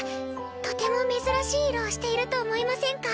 とても珍しい色をしていると思いませんか？